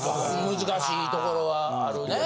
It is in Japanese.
難しいところはあるねぇ。